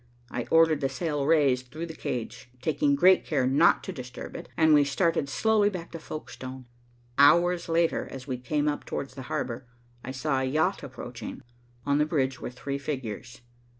I ordered the sail raised through the cage, taking great care not to disturb it, and we started slowly back to Folkestone. Hours later, as we came up towards the harbor, I saw a yacht approaching. On the bridge were three figures.